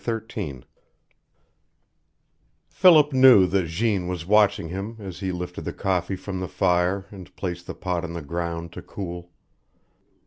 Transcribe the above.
XIII Philip knew that Jeanne was watching him as he lifted the coffee from the fire and placed the pot on the ground to cool.